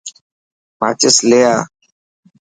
ماچس لي آءَ.